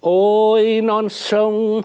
ôi non sông